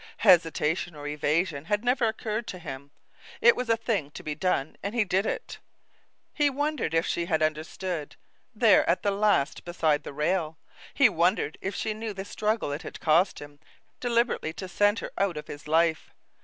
Hesitation or evasion had never occurred to him. It was a thing to be done, and he did it. He wondered if she had understood, there at the last beside the rail? He wondered if she knew the struggle it had cost him deliberately to send her out of his life?